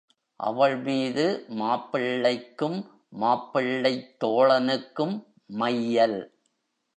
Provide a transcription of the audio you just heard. அவள் மீது மாப்பிள்ளைக்கும் மாப்பிள்ளைத் தோழனுக்கும் மையல்.